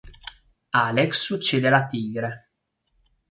Alex uccide la tigre.